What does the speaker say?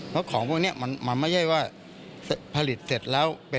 เพราะของพวกนี้มันไม่ใช่ว่าผลิตเสร็จแล้ว